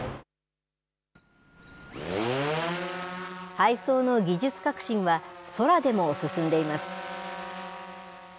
配送の技術革新は、空でも進んでいます。